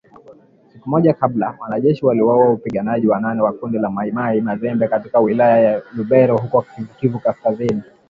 Siku moja kabla, wanajeshi waliwaua wapiganaji wanane wa kundi la Mai Mai Mazembe katika wilaya ya Lubero huko Kivu Kaskazini.